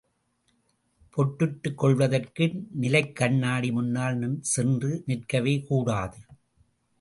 பொட்டிட்டுக் கொள்வதற்கு நிலைக் கண்ணாடி முன்னால் சென்று நிற்கவே கூடாது.